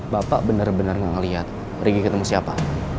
bapak benar benar gak ngelihat pergi ketemu siapa